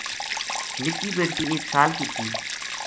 نِکی بیٹکی ایک سال کی تھی